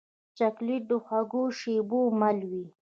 چاکلېټ د خوږو شېبو مل وي.